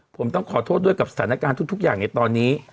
ผมต้องขอโทษด้วยกับสถานการณ์ทุกอย่างในตอนนี้